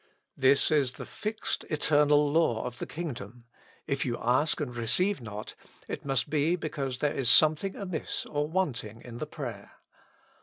This is the fixed eternal law of the kingdom ; if you ask and receive not, it must be because there is something amiss or wanting in the prayer.